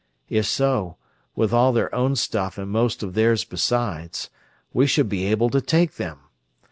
If so, with all our own stuff and most of theirs besides, we should be able to take them.